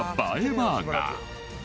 バーガー